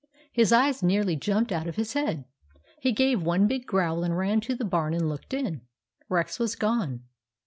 His eyes nearly jumped out of his head. He gave one big growl and ran to the barn and looked in. Rex was gone.